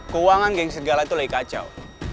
keuangan geng segala itu lagi kacau